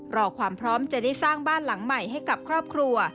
รอความพร้อมจะได้สร้างบ้านหลังใหม่ให้กับครอบครัว